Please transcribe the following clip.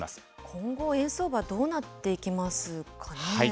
今後、円相場、どうなっていきますかね？